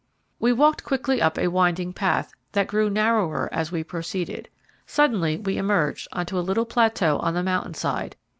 We walked quickly up a winding path, that grew narrower as we proceeded. Suddenly we emerged on to a little plateau on the mountain side.